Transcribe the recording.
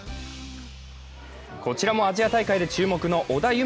こちらもアジア大会で注目の織田夢